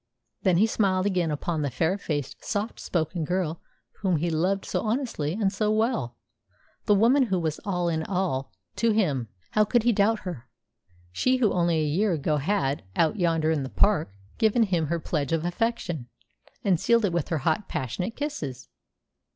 Then he smiled again upon the fair faced, soft spoken girl whom he loved so honestly and so well, the woman who was all in all to him. How could he doubt her she who only a year ago had, out yonder in the park, given him her pledge of affection, and sealed it with her hot, passionate kisses?